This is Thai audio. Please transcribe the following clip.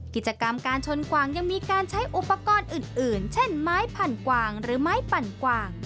กิจกรรมการชนกวางยังมีการใช้อุปกรณ์อื่นเช่นไม้ผันกวางหรือไม้ปั่นกวาง